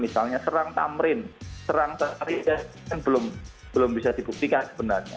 misalnya serang tamrin serang tersebut belum bisa dibuktikan sebenarnya